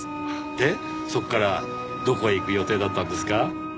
でそこからどこへ行く予定だったんですか？